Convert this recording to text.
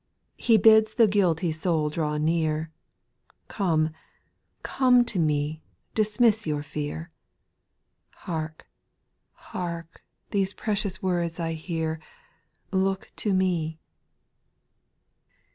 He bids the guilty soul draw near, Come, come to me, dismiss your fear. Hark, hark, these precious words I hear. Look to me.